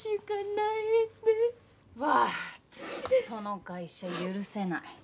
その会社許せない。